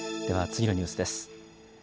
では、次のニュースです。